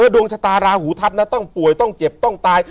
ดวงชะตาราหูทัศน์ต้องป่วยต้องเจ็บต้องตาย